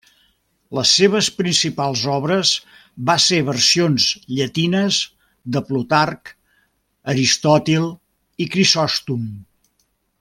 Les seves principals obres va ser versions llatines de Plutarc, Aristòtil i Crisòstom.